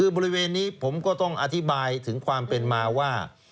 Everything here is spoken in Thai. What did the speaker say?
บริเวณนี้ผมก็ต้องอธิบายถึงความเป็นมาว่า